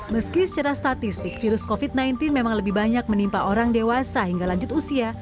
meski secara statistik virus covid sembilan belas memang lebih banyak menimpa orang dewasa hingga lanjut usia